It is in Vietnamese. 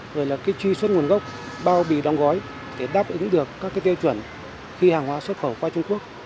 rồi là truy xuất nguồn gốc bao bì đong gói để đáp ứng được các cái tiêu chuẩn khi hàng hóa xuất khẩu qua trung quốc